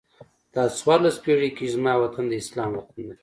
دا څوارلس پیړۍ کېږي چې زما وطن د اسلام وطن دی.